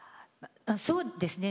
そうですね